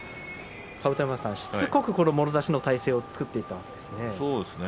しつこくもろ差しの体勢を作っていったんですね。